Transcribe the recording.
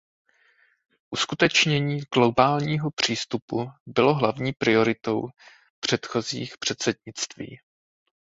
Uskutečnění globálního přístupu bylo hlavní prioritou předchozích předsednictví.